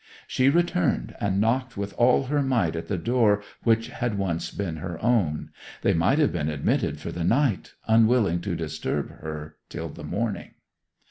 She returned and knocked with all her might at the door which had once been her own—they might have been admitted for the night, unwilling to disturb her till the morning.